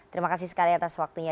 terima kasih sekali atas waktunya